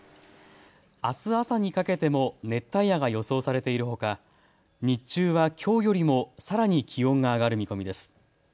あす朝にかけても熱帯夜が予想されているほか日中はきょうよりもさらに気温が上がる見込みです。